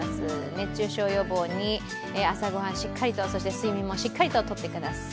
熱中症予防に朝ご飯しっかりと、睡眠もしっかりととってください。